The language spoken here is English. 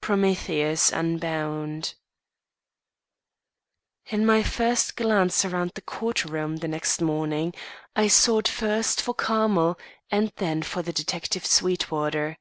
Prometheus Unbound. In my first glance around the court room the next morning, I sought first for Carmel and then for the detective Sweetwater.